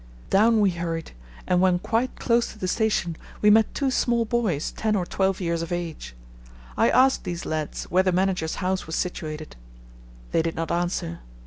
Down we hurried, and when quite close to the station we met two small boys ten or twelve years of age. I asked these lads where the manager's house was situated. They did not answer.